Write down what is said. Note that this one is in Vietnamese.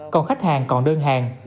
còn khách hàng còn đơn hàng